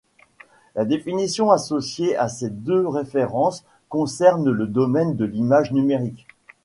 Les définitions associées à ces deux références concernent le domaine de l'image numérique.